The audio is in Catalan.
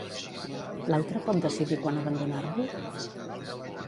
L'altre pot decidir quan abandonar-lo?